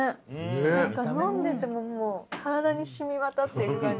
何か飲んでてももう体に染みわたっていく感じ。